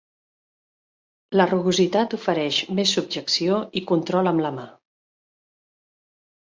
La rugositat ofereix més subjecció i control amb la mà.